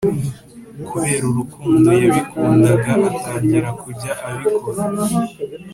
kubera urukundo yabikundaga atangira kujya abikora